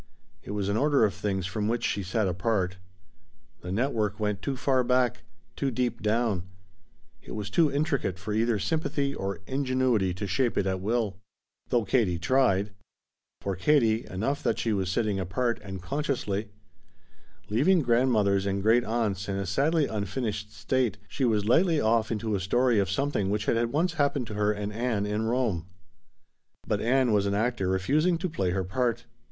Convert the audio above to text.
It was an order of things from which she sat apart. The network went too far back, too deep down; it was too intricate for either sympathy or ingenuity to shape it at will. Though Katie tried. For Katie, enough that she was sitting apart, and consciously. Leaving grandmothers and great aunts in a sadly unfinished state she was lightly off into a story of something which had once happened to her and Ann in Rome. But Ann was as an actor refusing to play her part.